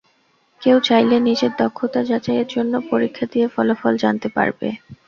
কেউ চাইলে নিজের দক্ষতা যাচাইয়ের জন্য পরীক্ষা দিয়ে ফলাফল জানতে পারবে।